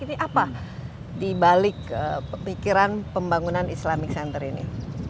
ini apa di balik pemikiran pembangunan islamic center ini